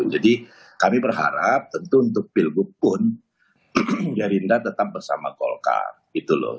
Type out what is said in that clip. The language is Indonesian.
jadi kami berharap tentu untuk pilgub pun gerindra tetap bersama golkar